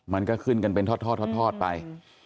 มันก็ขึ้นกันเป็นทอดไป